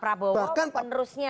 pak prabowo penerusnya